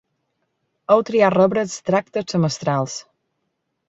Heu triat rebre extractes semestrals.